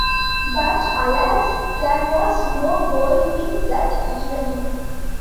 But alas, there was no golfing that evening.